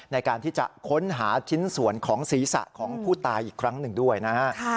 ในการที่จะค้นหาชิ้นส่วนของศีรษะของผู้ตายอีกครั้งหนึ่งด้วยนะฮะ